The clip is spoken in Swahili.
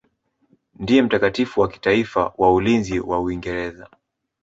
Ndiye mtakatifu wa kitaifa wa ulinzi wa Uingereza.